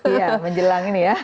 iya menjelang ini